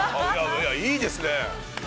いやいいですね。